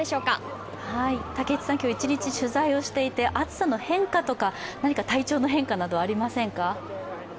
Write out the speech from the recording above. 一日取材をしていて暑さの変化、体調の変化などありませんか？